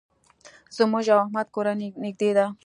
زموږ او احمد کورنۍ نېږدې ده.